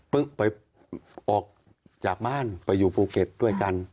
ไปออกจากบ้านไปอยู่ภูเก็ตด้วยกัน